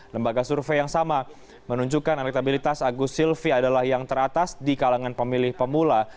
lembaga survei yang sama menunjukkan elektabilitas agus silvi adalah yang teratas di kalangan pemilih pemula